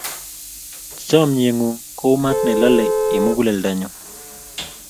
Chomye ng'ung' kou maat ne lalei eng' muguleldanyu.